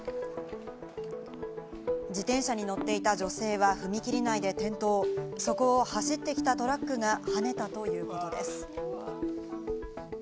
自転車に乗っていた女性は踏切内で転倒、そこを走ってきたトラックがはねたということです。